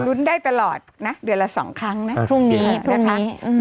ขึ้นได้ตลอดเดือนละสองครั้งพรุ่งนี้